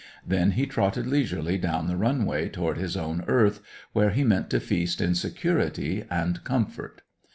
Then he trotted leisurely down the run way toward his own earth, where he meant to feast in security and comfort.